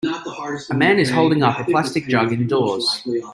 A man is holding up a plastic jug indoors.